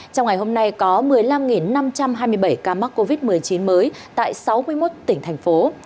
trong ngày hôm nay có một mươi năm năm trăm hai mươi bảy ca mắc covid một mươi chín mới tại sáu mươi một tỉnh thành phố